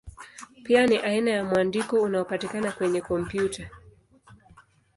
Pia ni aina ya mwandiko unaopatikana kwenye kompyuta.